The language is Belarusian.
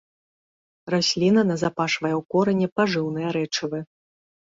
Расліна назапашвае ў корані пажыўныя рэчывы.